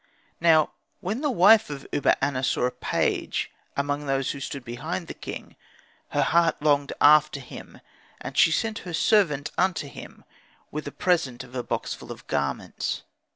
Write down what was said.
Now when the wife of Uba aner saw a page, among those who stood behind the king, her heart longed after him; and she sent her servant unto him, with a present of a box full of garments.